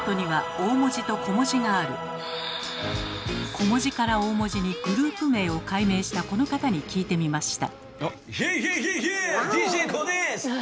小文字から大文字にグループ名を改名したこの方に聞いてみました。